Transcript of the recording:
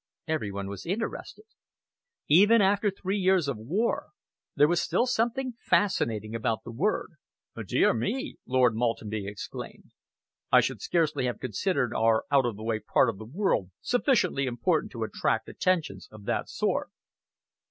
Every one was interested. Even after three years of war, there was still something fascinating about the word. "Dear me!" Lord Maltenby exclaimed. "I should scarcely have considered our out of the way part of the world sufficiently important to attract attentions of that sort."